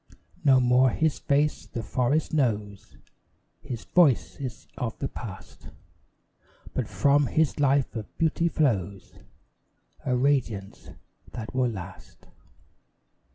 No more his face the forest knows; His voice is of the past; But from his life of beauty flows A radiance that will last.